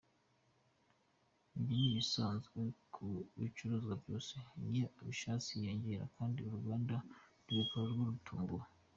Ibyo ni ibisanzwe ku bicuruzwa byose iyo ababishaka biyongera kandi uruganda rubikora rwo rutaguwe.